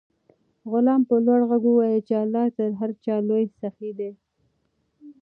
غلام په لوړ غږ وویل چې الله تر هر چا لوی سخي دی.